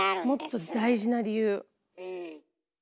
もっと大事な理由。